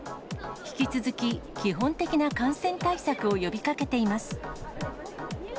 引き続き、基本的な感染対策を呼びかけています。